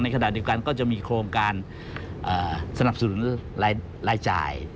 ขณะเดียวกันก็จะมีโครงการสนับสนุนรายจ่าย